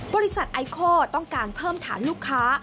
บริษัทไอโคลต้องการเพิ่มฐานลูกค้า